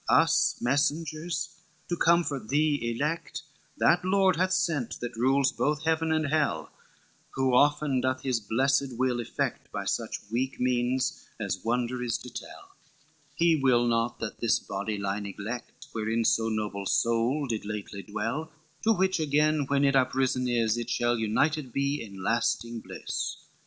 XXX "'Us messengers to comfort thee elect That Lord hath sent that rules both heaven and hell; Who often doth his blessed will effect, By such weak means, as wonder is to tell; He will not that this body lie neglect, Wherein so noble soul did lately dwell To which again when it uprisen is It shall united be in lasting bliss.